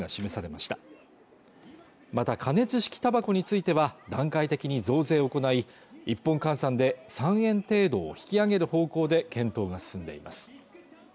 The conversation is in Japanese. また加熱式たばこについては段階的に増税を行い１本換算で３円程度を引き上げる方向で検討が進んでいます